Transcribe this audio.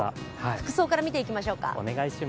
服装から見ていきましょうか。